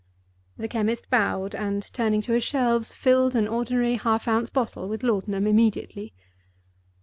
The chemist bowed; and, turning to his shelves, filled an ordinary half ounce bottle with laudanum immediately.